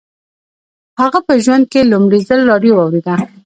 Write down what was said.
هغه په ژوند کې لومړي ځل راډیو واورېده